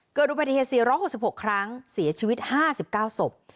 เกิดอุบัติเหตุ๔๖๖ครั้งเสียชีวิต๕๙ศพ